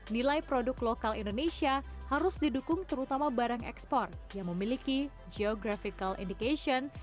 nilai produk lokal indonesia harus didukung terutama barang ekspor yang memiliki geographical indication